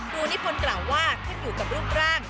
ครูนิพนธ์กล่าวว่าเพิ่งอยู่กับรูปร่าง